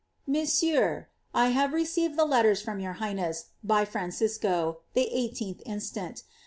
<* Mon seigneur, ■ 1 have received the letters from your highness, by Francisco,* the 18th instant.